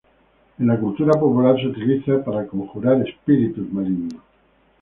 En la cultura popular se utiliza para conjurar espíritus malignos.